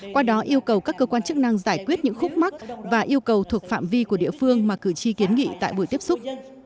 qua đó yêu cầu các cơ quan chức năng giải quyết những khúc mắc và yêu cầu thuộc phạm vi của địa phương mà cử tri kiến nghị tại buổi tiếp xúc